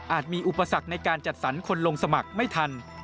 มีอุปสรรคในการจัดสรรคนลงสมัครไม่ทัน